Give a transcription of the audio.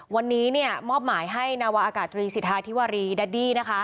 วันนี้มอบหมายให้นาวาอากาศตรีสิทธาธิวารีดัดดี้นะคะ